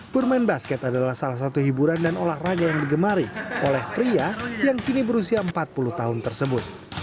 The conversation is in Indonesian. bermain basket adalah salah satu hiburan dan olahraga yang digemari oleh pria yang kini berusia empat puluh tahun tersebut